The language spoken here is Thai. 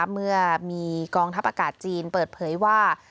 เมื่อมีกองทัพอากาศจีนเปิดเผยว่า